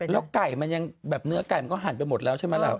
แล้วไก่มันยังแบบเนื้อไก่มันก็หั่นไปหมดแล้วใช่ไหมล่ะ